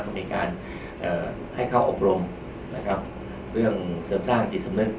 ครับในการเอ่อให้เข้าอบรมนะครับเรื่องเสริมสร้างอิสมนึก